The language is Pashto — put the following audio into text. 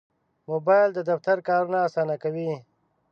موبایل د دفتر کارونه اسانه کوي.